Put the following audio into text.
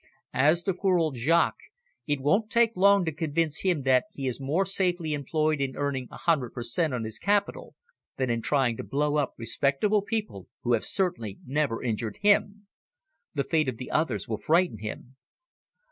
As to poor old Jaques, it won't take long to convince him that he is more safely employed in earning a hundred per cent, on his capital than in trying to blow up respectable people who have certainly never injured him. The fate of the others will frighten him."